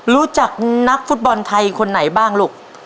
รู้จักนักฟุตบอลไทยคนไหนบ้างลูก